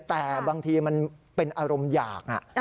แต่บางทีมันเป็นอารมณ์อยาก